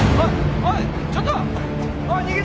おいちょっと待て！